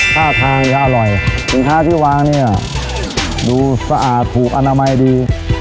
ท่าทางจะอร่อยสินค้าที่วางเนี่ยดูสะอาดถูกอนามัยดี